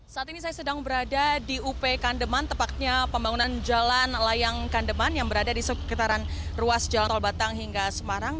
saat ini saya sedang berada di up kandeman tepatnya pembangunan jalan layang kandeman yang berada di sekitaran ruas jalan tol batang hingga semarang